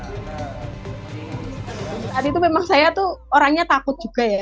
saat itu memang saya tuh orangnya takut juga ya